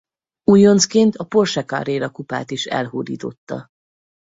Újoncként a Porsche Carrera Kupát is elhódította.